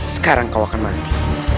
sekarang kau akan mati